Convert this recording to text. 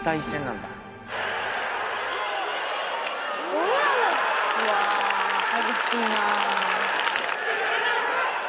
うわ激しいなぁ。